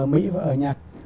ở mỹ và ở nhật